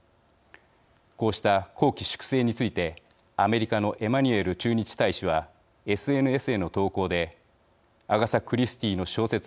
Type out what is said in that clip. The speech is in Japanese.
こうした綱紀粛正についてアメリカのエマニュエル駐日大使はＳＮＳへの投稿で「アガサ・クリスティの小説